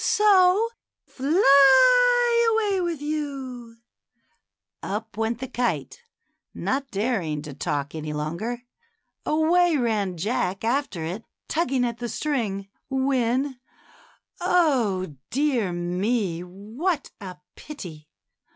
So fly away with you !" Up went the kite, not daring to talk any longer; away ran Jack after it, tugging at the string, when — Oh, dear me ! what a pity